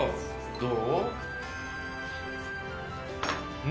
どう？